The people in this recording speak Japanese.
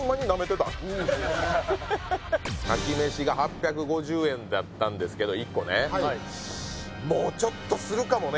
かきめしが８５０円だったんですけど１個ねもうちょっとするかもね